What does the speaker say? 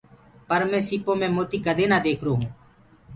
پر مينٚ سيٚپو مي موتي ڪدي نآ ديکرو هونٚ۔